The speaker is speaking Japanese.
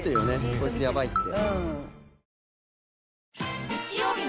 こいつやばいって。